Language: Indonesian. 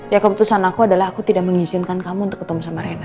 ya keputusan aku adalah aku tidak mengizinkan kamu untuk ketemu sama rena